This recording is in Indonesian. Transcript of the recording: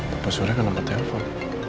papa surya kenapa telepon